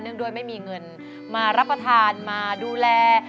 ด้วยไม่มีเงินมารับประทานมาดูแล